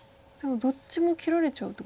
どっちも切られちゃうってこと？